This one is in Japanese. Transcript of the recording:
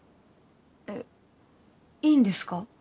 えっいいんですか？